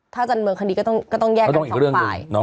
ถ้าจำเมืองคดีก็ต้องแยกกันสองฝ่าย